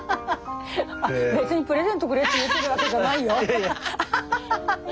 ハハハハ！